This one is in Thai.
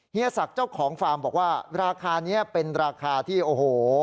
เฮีศักดิ์เจ้าของฟาร์มบอกว่าราคานี้เป็นราคาที่โอ้โห